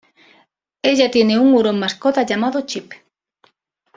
Ella tiene un hurón mascota llamado Chip.